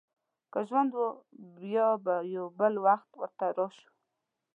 که ژوند و، بیا به یو بل وخت ورته راشو.